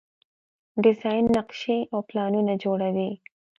ډیزاین نقشې او پلانونه جوړوي.